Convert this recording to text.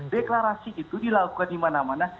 deklarasi itu dilakukan di mana mana